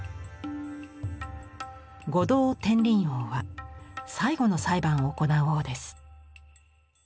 五道転輪王は最後の裁判を行う王です。